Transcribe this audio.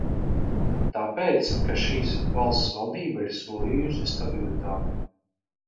Tāpēc, ka šīs valsts valdība ir solījusi stabilitāti.